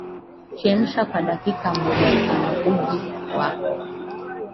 Chemsha kwa dakika mojatanouji wako